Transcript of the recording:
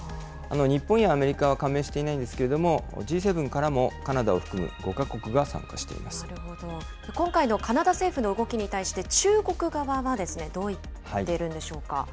日本やアメリカは加盟していないんですけれども、Ｇ７からもカナ今回のカナダ政府の動きに対して、中国側は、どう言ってるんでしょうか。